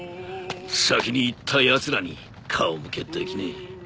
先に逝ったやつらに顔向けできねえ。